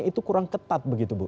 itu kurang ketat begitu bu